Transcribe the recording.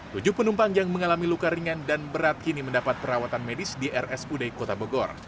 tujuh penumpang yang mengalami luka ringan dan berat kini mendapat perawatan medis di rsud kota bogor